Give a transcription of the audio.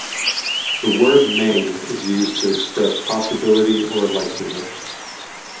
The word "may" is used to express possibility or likelihood.